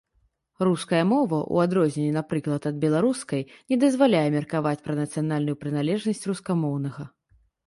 Руская мова, у адрозненне, напрыклад, ад беларускай, не дазваляе меркаваць пра нацыянальную прыналежнасць рускамоўнага.